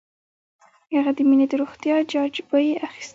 هغه د مينې د روغتيا جاج به یې اخيسته